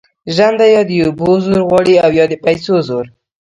ژرنده یا د اوبو زور غواړي او یا د پیسو زور.